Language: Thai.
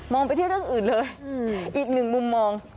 ไปที่เรื่องอื่นเลยอีกหนึ่งมุมมอง